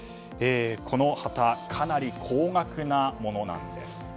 この旗かなり高額なものなんです。